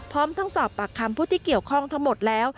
พร้อมทั้งสอบปากคำผู้ที่เกี่ยวข้องทั้งหมดแล้ว